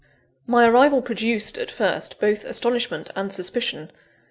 My arrival produced, at first, both astonishment and suspicion.